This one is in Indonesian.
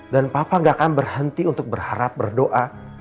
dan papa gak akan berhenti untuk berharap berdoa